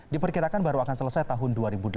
diperkirakan baru akan selesai tahun dua ribu delapan belas